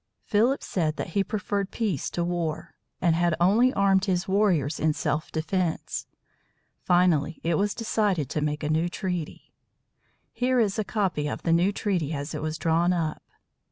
Philip said that he preferred peace to war, and had only armed his warriors in self defense. Finally, it was decided to make a new treaty. Here is a copy of the new treaty as it was drawn up.